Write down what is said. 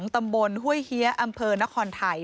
ตำบลห้วยเฮียอำเภอนครไทย